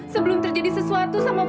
sebelum terjadi sesuatu sama